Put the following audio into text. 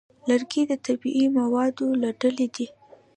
لرګی د طبیعي موادو له ډلې دی.